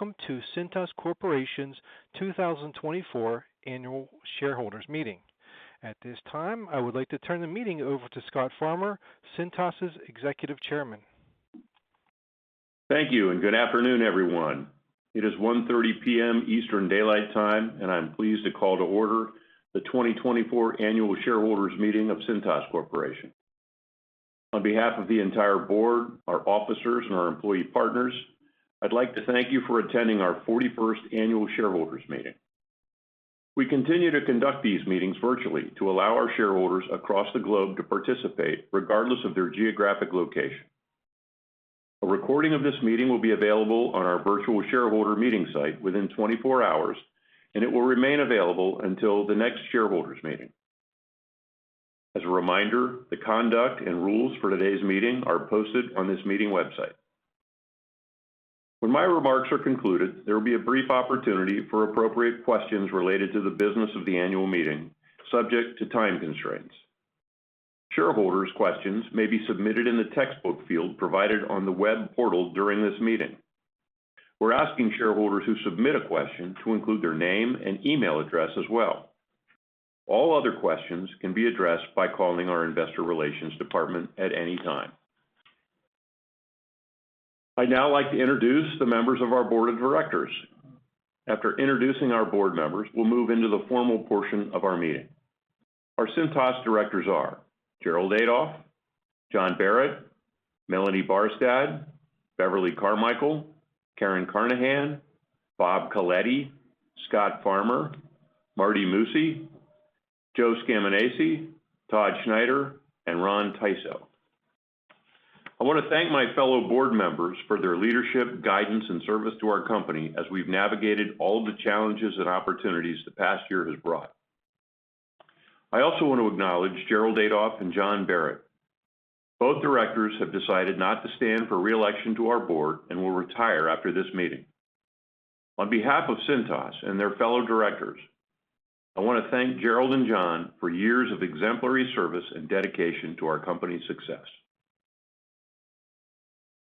Welcome to Cintas Corporation's 2024 Annual Shareholders Meeting. At this time, I would like to turn the meeting over to Scott Farmer, Cintas' Executive Chairman. Thank you, and good afternoon, everyone. It is 1:30 P.M. Eastern Daylight Time, and I'm pleased to call to order the 2024 Annual Shareholders Meeting of Cintas Corporation. On behalf of the entire board, our officers, and our employee partners, I'd like to thank you for attending our 41st Annual Shareholders Meeting. We continue to conduct these meetings virtually to allow our shareholders across the globe to participate regardless of their geographic location. A recording of this meeting will be available on our virtual shareholder meeting site within 24 hours, and it will remain available until the next shareholders meeting. As a reminder, the conduct and rules for today's meeting are posted on this meeting website. When my remarks are concluded, there will be a brief opportunity for appropriate questions related to the business of the annual meeting, subject to time constraints. Shareholders' questions may be submitted in the text box field provided on the web portal during this meeting. We're asking shareholders who submit a question to include their name and email address as well. All other questions can be addressed by calling our Investor Relations Department at any time. I'd now like to introduce the members of our Board of Directors. After introducing our board members, we'll move into the formal portion of our meeting. Our Cintas directors are: Gerald Adolph, John Barrett, Melanie Barstad, Beverly Carmichael, Karen Carnahan, Bob Coletti, Scott Farmer, Marty Mucci, Joe Scaminace, Todd Schneider, and Ron Tysoe. I want to thank my fellow board members for their leadership, guidance, and service to our company as we've navigated all the challenges and opportunities the past year has brought. I also want to acknowledge Gerald Adolph and John Barrett. Both directors have decided not to stand for re-election to our board and will retire after this meeting. On behalf of Cintas and their fellow directors, I want to thank Gerald and John for years of exemplary service and dedication to our company's success.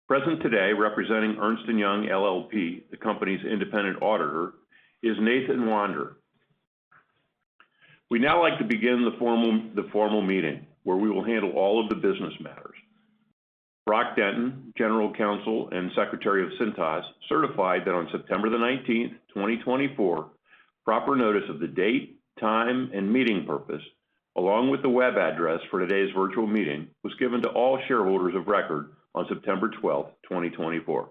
Present today representing Ernst & Young LLP, the company's independent auditor, is Nathan Wander. We'd now like to begin the formal meeting where we will handle all of the business matters. Brock Denton, General Counsel and Secretary of Cintas, certified that on September the 19th, 2024, proper notice of the date, time, and meeting purpose, along with the web address for today's virtual meeting, was given to all shareholders of record on September 12th, 2024.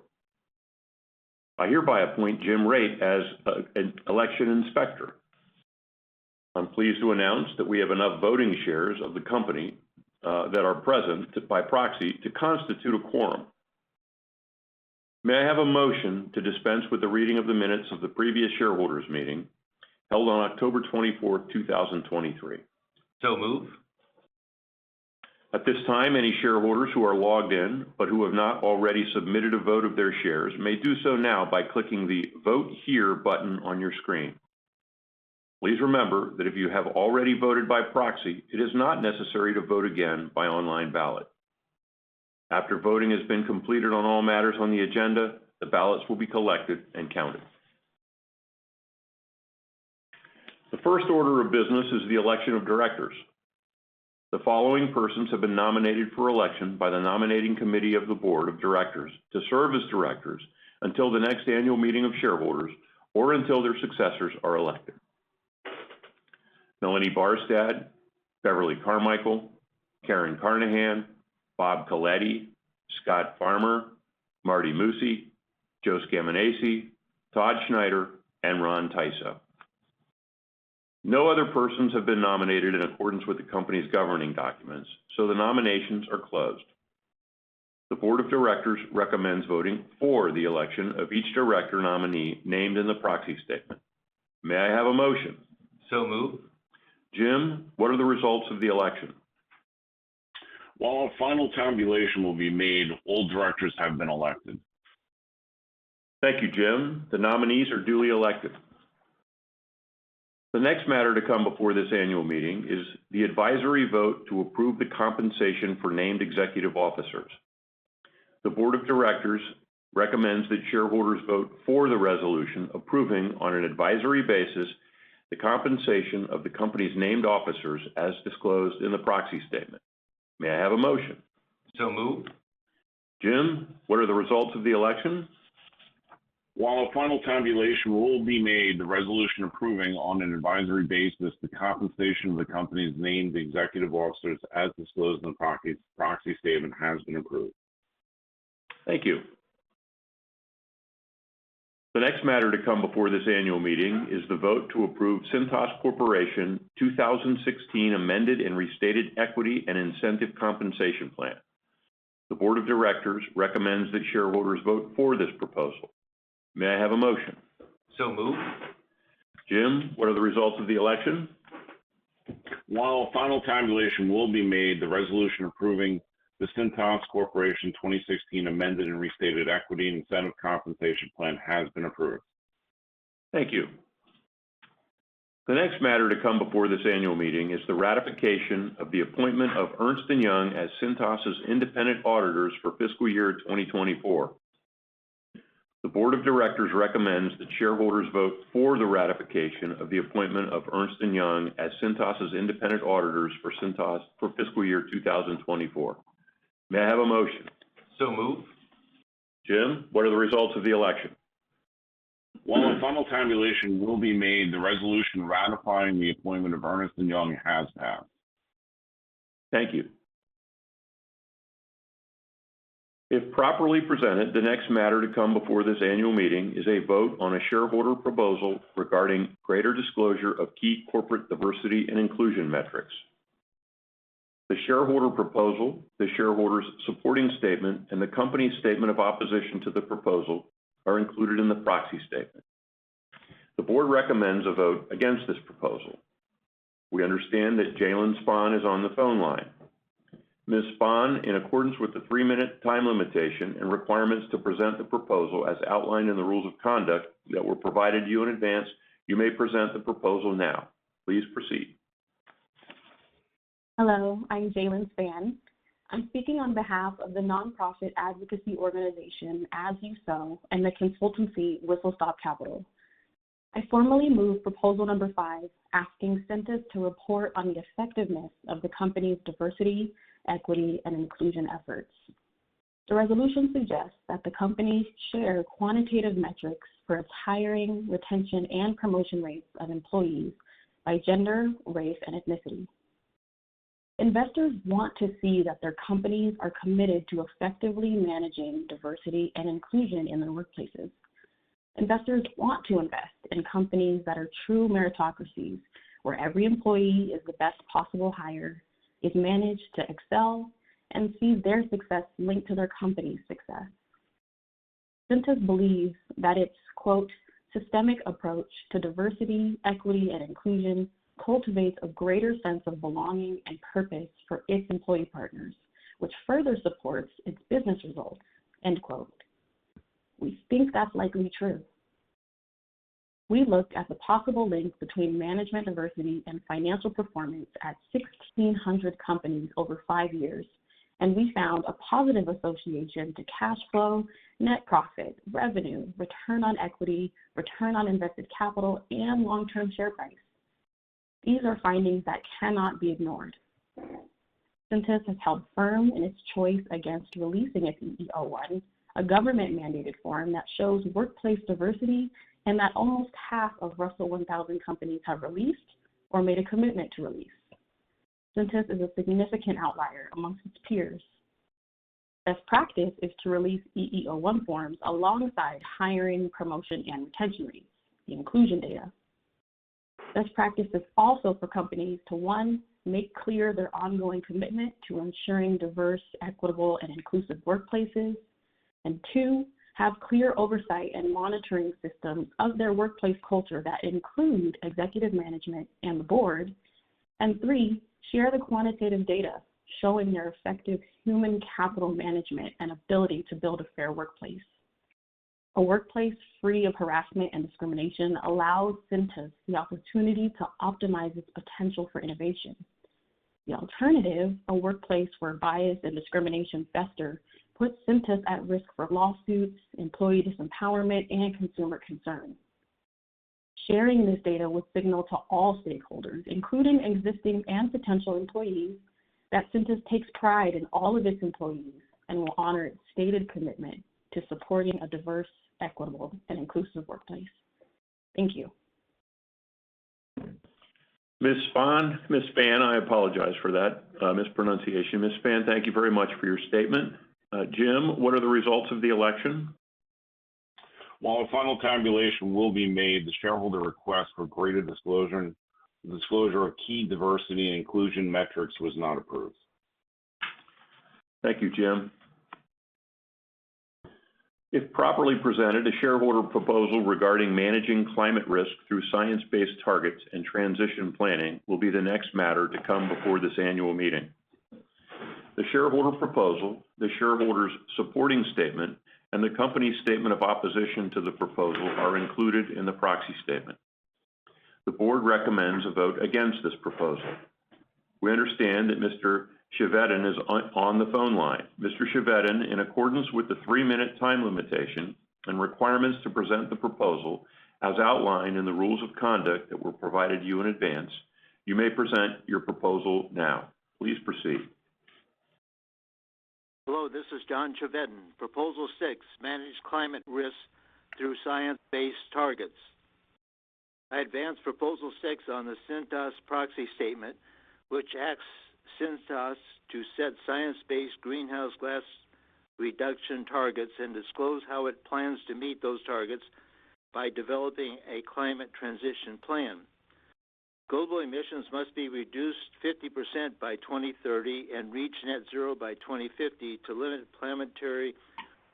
I hereby appoint Jim Raitt as an election inspector. I'm pleased to announce that we have enough voting shares of the company that are present by proxy to constitute a quorum. May I have a motion to dispense with the reading of the minutes of the previous shareholders meeting held on October 24th, 2023? So move. At this time, any shareholders who are logged in but who have not already submitted a vote of their shares may do so now by clicking the "Vote Here" button on your screen. Please remember that if you have already voted by proxy, it is not necessary to vote again by online ballot. After voting has been completed on all matters on the agenda, the ballots will be collected and counted. The first order of business is the election of directors. The following persons have been nominated for election by the nominating committee of the Board of Directors to serve as directors until the next annual meeting of shareholders or until their successors are elected: Melanie Barstad, Beverly Carmichael, Karen Carnahan, Bob Coletti, Scott Farmer, Marty Mucci, Joe Scaminace, Todd Schneider, and Ron Tysoe. No other persons have been nominated in accordance with the company's governing documents, so the nominations are closed. The Board of Directors recommends voting for the election of each director nominee named in the proxy statement. May I have a motion? So move. Jim, what are the results of the election? While a final tabulation will be made, all directors have been elected. Thank you, Jim. The nominees are duly elected. The next matter to come before this annual meeting is the advisory vote to approve the compensation for named executive officers. The Board of Directors recommends that shareholders vote for the resolution approving on an advisory basis the compensation of the company's named officers as disclosed in the proxy statement. May I have a motion? So move. Jim, what are the results of the election? While a final tabulation will be made, the resolution approving on an advisory basis the compensation of the company's named executive officers as disclosed in the proxy statement has been approved. Thank you. The next matter to come before this annual meeting is the vote to approve Cintas Corporation's 2016 Amended and Restated Equity and Incentive Compensation Plan. The Board of Directors recommends that shareholders vote for this proposal. May I have a motion? So move. Jim, what are the results of the election? While a final tabulation will be made, the resolution approving the Cintas Corporation's 2016 Amended and Restated Equity and Incentive Compensation Plan has been approved. Thank you. The next matter to come before this annual meeting is the ratification of the appointment of Ernst & Young as Cintas' independent auditors for fiscal year 2024. The Board of Directors recommends that shareholders vote for the ratification of the appointment of Ernst & Young as Cintas' independent auditors for fiscal year 2024. May I have a motion? So move. Jim, what are the results of the election? While a final tabulation will be made, the resolution ratifying the appointment of Ernst & Young has passed. Thank you. If properly presented, the next matter to come before this annual meeting is a vote on a shareholder proposal regarding greater disclosure of key corporate diversity and inclusion metrics. The shareholder proposal, the shareholders' supporting statement, and the company's statement of opposition to the proposal are included in the proxy statement. The Board recommends a vote against this proposal. We understand that Jalan Spahn is on the phone line. Ms. Spahn, in accordance with the three-minute time limitation and requirements to present the proposal as outlined in the rules of conduct that were provided to you in advance, you may present the proposal now. Please proceed. Hello, I'm Jalan Spahn. I'm speaking on behalf of the nonprofit advocacy organization As You Sow and the consultancy Whistle Stop Capital. I formally move proposal number five asking Cintas to report on the effectiveness of the company's diversity, equity, and inclusion efforts. The resolution suggests that the company share quantitative metrics for its hiring, retention, and promotion rates of employees by gender, race, and ethnicity. Investors want to see that their companies are committed to effectively managing diversity and inclusion in their workplaces. Investors want to invest in companies that are true meritocracies, where every employee is the best possible hire, is managed to excel, and sees their success linked to their company's success. Cintas believes that its "systemic approach to diversity, equity, and inclusion cultivates a greater sense of belonging and purpose for its employee partners, which further supports its business results." We think that's likely true. We looked at the possible links between management diversity and financial performance at 1,600 companies over five years, and we found a positive association to cash flow, net profit, revenue, return on equity, return on invested capital, and long-term share price. These are findings that cannot be ignored. Cintas has held firm in its choice against releasing its EEO-1, a government-mandated form that shows workplace diversity and that almost half of Russell 1000 companies have released or made a commitment to release. Cintas is a significant outlier among its peers. Best practice is to release EEO-1 forms alongside hiring, promotion, and retention rates: the inclusion data. Best practice is also for companies to, one, make clear their ongoing commitment to ensuring diverse, equitable, and inclusive workplaces, and two, have clear oversight and monitoring systems of their workplace culture that include executive management and the board, and three, share the quantitative data showing their effective human capital management and ability to build a fair workplace. A workplace free of harassment and discrimination allows Cintas the opportunity to optimize its potential for innovation. The alternative, a workplace where bias and discrimination fester, puts Cintas at risk for lawsuits, employee disempowerment, and consumer concerns. Sharing this data will signal to all stakeholders, including existing and potential employees, that Cintas takes pride in all of its employees and will honor its stated commitment to supporting a diverse, equitable, and inclusive workplace. Thank you. Ms. Spahn, Ms. Spahn, I apologize for that mispronunciation. Ms. Spahn, thank you very much for your statement. Jim, what are the results of the election? While a final tabulation will be made, the shareholder request for greater disclosure of key diversity and inclusion metrics was not approved. Thank you, Jim. If properly presented, a shareholder proposal regarding managing climate risk through science-based targets and transition planning will be the next matter to come before this annual meeting. The shareholder proposal, the shareholders' supporting statement, and the company's statement of opposition to the proposal are included in the proxy statement. The Board recommends a vote against this proposal. We understand that Mr. Chevedden is on the phone line. Mr. Chevedden, in accordance with the three-minute time limitation and requirements to present the proposal as outlined in the rules of conduct that were provided to you in advance, you may present your proposal now. Please proceed. Hello, this is John Chevedden. Proposal six: manage climate risk through science-based targets. I advance proposal six on the Cintas proxy statement, which asks Cintas to set science-based greenhouse gas reduction targets and disclose how it plans to meet those targets by developing a climate transition plan. Global emissions must be reduced 50% by 2030 and reach net zero by 2050 to limit planetary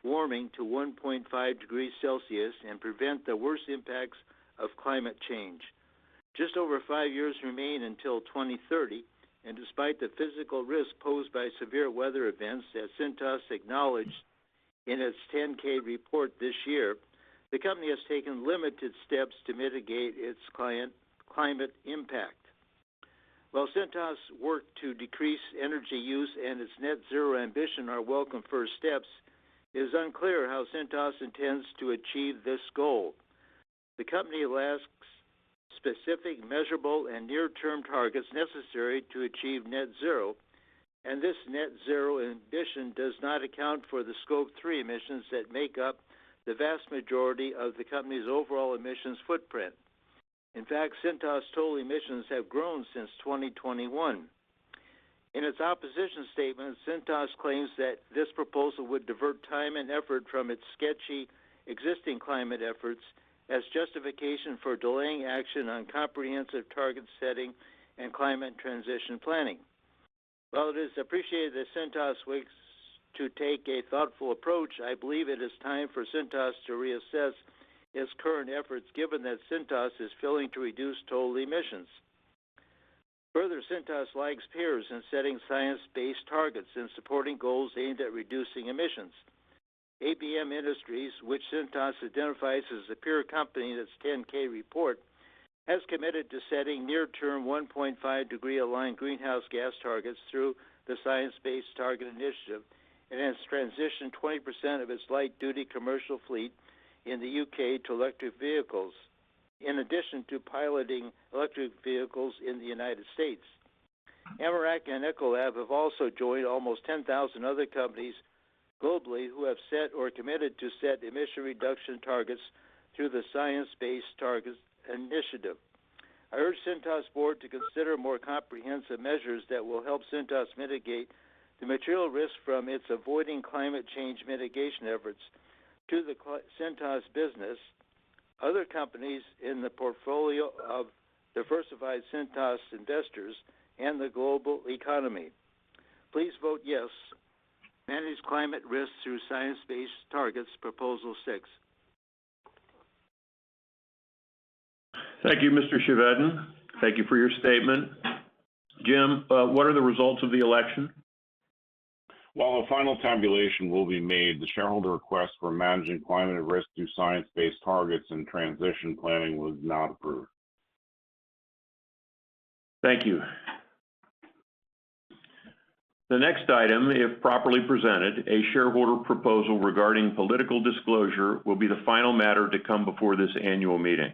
warming to 1.5 degrees Celsius and prevent the worst impacts of climate change. Just over five years remain until 2030, and despite the physical risk posed by severe weather events that Cintas acknowledged in its 10-K report this year, the company has taken limited steps to mitigate its climate impact. While Cintas' work to decrease energy use and its net zero ambition are welcome first steps, it is unclear how Cintas intends to achieve this goal. The company lacks specific, measurable, and near-term targets necessary to achieve net zero, and this net zero ambition does not account for the Scope 3 emissions that make up the vast majority of the company's overall emissions footprint. In fact, Cintas' total emissions have grown since 2021. In its opposition statement, Cintas claims that this proposal would divert time and effort from its sketchy existing climate efforts as justification for delaying action on comprehensive target setting and climate transition planning. While it is appreciated that Cintas wants to take a thoughtful approach, I believe it is time for Cintas to reassess its current efforts given that Cintas is failing to reduce total emissions. Further, Cintas lags its peers in setting science-based targets and supporting goals aimed at reducing emissions. ABM Industries, which Cintas identifies as a peer company in its 10-K report, has committed to setting near-term 1.5-degree-aligned greenhouse gas targets through the Science Based Targets initiative and has transitioned 20% of its light-duty commercial fleet in the U.K. to electric vehicles, in addition to piloting electric vehicles in the United States. Aramark and Ecolab have also joined almost 10,000 other companies globally who have set or committed to set emission reduction targets through the Science Based Targets initiative. I urge Cintas' board to consider more comprehensive measures that will help Cintas mitigate the material risk from its avoiding climate change mitigation efforts to the Cintas business, other companies in the portfolio of diversified Cintas investors, and the global economy. Please vote yes. Manage climate risk through science-based targets, proposal six. Thank you, Mr. Chevedden. Thank you for your statement. Jim, what are the results of the election? While a final tabulation will be made, the shareholder request for managing climate risk through science-based targets and transition planning was not approved. Thank you. The next item, if properly presented, a shareholder proposal regarding political disclosure, will be the final matter to come before this annual meeting.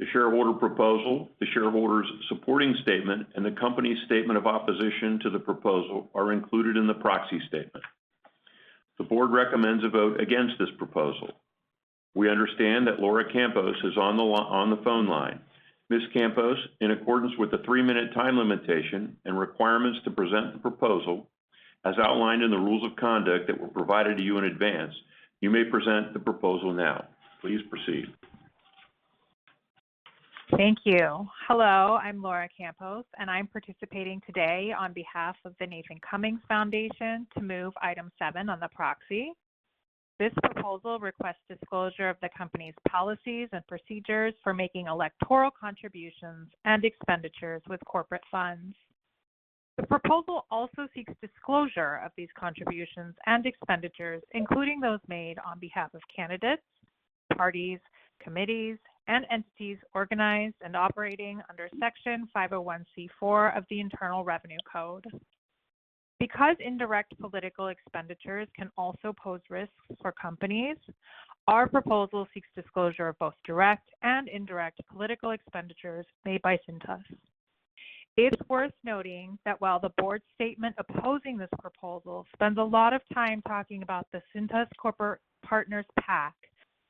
The shareholder proposal, the shareholders' supporting statement, and the company's statement of opposition to the proposal are included in the proxy statement. The board recommends a vote against this proposal. We understand that Laura Campos is on the phone line. Ms. Campos, in accordance with the three-minute time limitation and requirements to present the proposal as outlined in the rules of conduct that were provided to you in advance, you may present the proposal now. Please proceed. Thank you. Hello, I'm Laura Campos, and I'm participating today on behalf of the Nathan Cummings Foundation to move item seven on the proxy. This proposal requests disclosure of the company's policies and procedures for making electoral contributions and expenditures with corporate funds. The proposal also seeks disclosure of these contributions and expenditures, including those made on behalf of candidates, parties, committees, and entities organized and operating under Section 501(c)(4) of the Internal Revenue Code. Because indirect political expenditures can also pose risks for companies, our proposal seeks disclosure of both direct and indirect political expenditures made by Cintas. It's worth noting that while the board's statement opposing this proposal spends a lot of time talking about the Cintas corporate partners' PAC,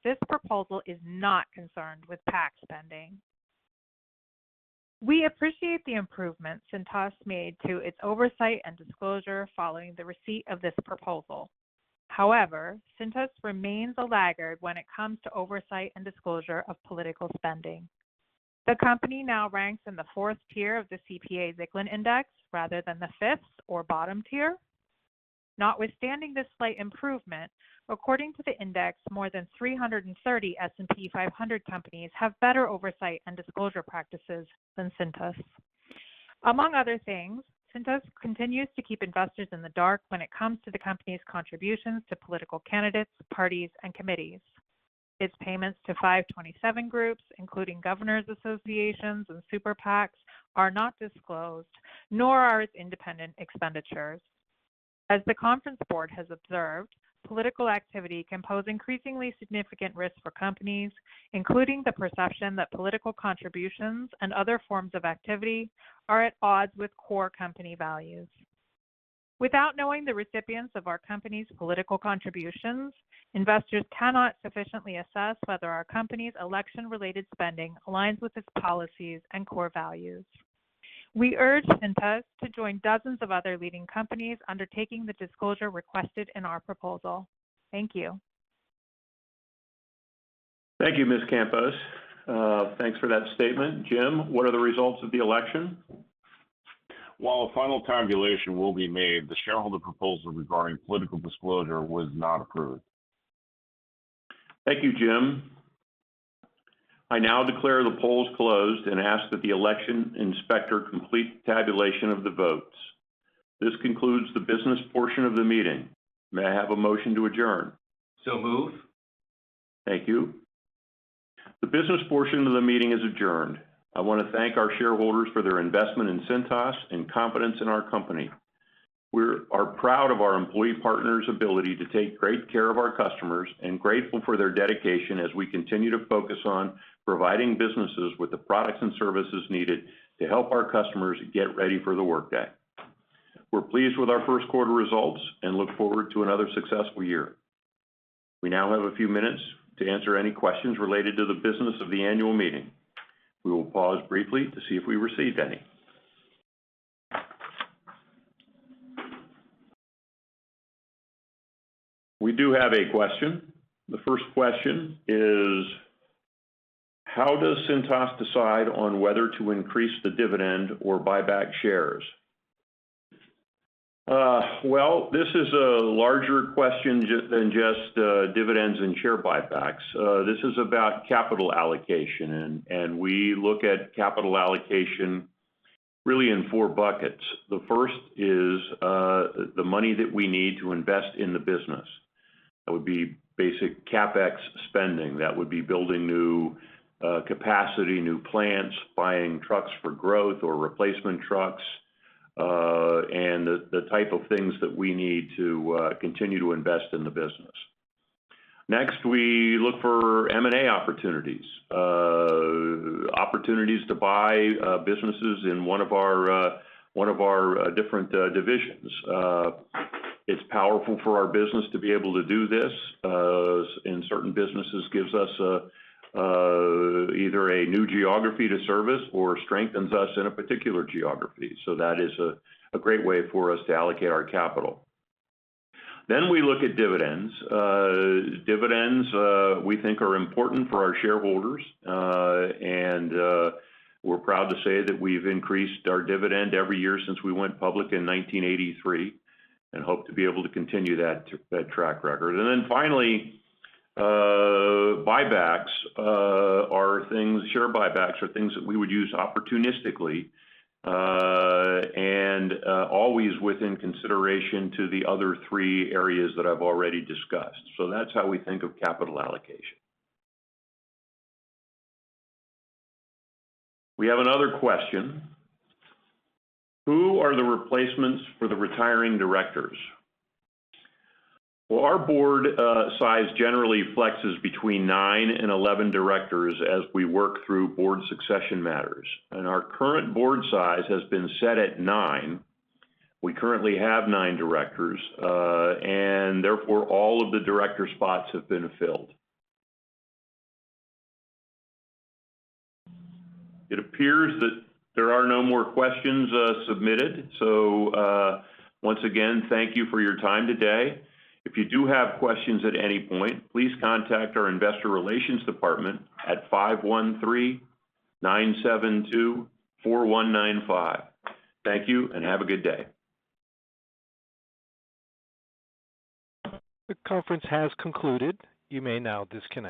this proposal is not concerned with PAC spending. We appreciate the improvements Cintas made to its oversight and disclosure following the receipt of this proposal. However, Cintas remains a laggard when it comes to oversight and disclosure of political spending. The company now ranks in the fourth tier of the CPA-Zicklin Index rather than the fifth or bottom tier. Notwithstanding this slight improvement, according to the index, more than 330 S&P 500 companies have better oversight and disclosure practices than Cintas. Among other things, Cintas continues to keep investors in the dark when it comes to the company's contributions to political candidates, parties, and committees. Its payments to 527 groups, including governors' associations and Super PACs, are not disclosed, nor are its independent expenditures. As the Conference Board has observed, political activity can pose increasingly significant risk for companies, including the perception that political contributions and other forms of activity are at odds with core company values. Without knowing the recipients of our company's political contributions, investors cannot sufficiently assess whether our company's election-related spending aligns with its policies and core values. We urge Cintas to join dozens of other leading companies undertaking the disclosure requested in our proposal. Thank you. Thank you, Ms. Campos. Thanks for that statement. Jim, what are the results of the election? While a final tabulation will be made, the shareholder proposal regarding political disclosure was not approved. Thank you, Jim. I now declare the polls closed and ask that the election inspector complete the tabulation of the votes. This concludes the business portion of the meeting. May I have a motion to adjourn? So move. Thank you. The business portion of the meeting is adjourned. I want to thank our shareholders for their investment in Cintas and confidence in our company. We are proud of our employee partners' ability to take great care of our customers and grateful for their dedication as we continue to focus on providing businesses with the products and services needed to help our customers get ready for the workday. We're pleased with our first quarter results and look forward to another successful year. We now have a few minutes to answer any questions related to the business of the annual meeting. We will pause briefly to see if we received any. We do have a question. The first question is, how does Cintas decide on whether to increase the dividend or buyback shares? Well, this is a larger question than just dividends and share buybacks. This is about capital allocation, and we look at capital allocation really in four buckets. The first is the money that we need to invest in the business. That would be basic CapEx spending. That would be building new capacity, new plants, buying trucks for growth or replacement trucks, and the type of things that we need to continue to invest in the business. Next, we look for M&A opportunities, opportunities to buy businesses in one of our different divisions. It's powerful for our business to be able to do this. In certain businesses, it gives us either a new geography to service or strengthens us in a particular geography. So that is a great way for us to allocate our capital. Then we look at dividends. Dividends, we think, are important for our shareholders, and we're proud to say that we've increased our dividend every year since we went public in 1983 and hope to be able to continue that track record. And then finally, buybacks are things. Share buybacks are things that we would use opportunistically and always within consideration to the other three areas that I've already discussed. So that's how we think of capital allocation. We have another question. Who are the replacements for the retiring directors? Well, our board size generally flexes between nine and 11 directors as we work through board succession matters. And our current board size has been set at nine. We currently have nine directors, and therefore all of the director spots have been filled. It appears that there are no more questions submitted. So once again, thank you for your time today. If you do have questions at any point, please contact our investor relations department at 513-972-4195. Thank you and have a good day. The conference has concluded. You may now disconnect.